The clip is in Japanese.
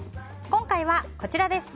今回はこちらです。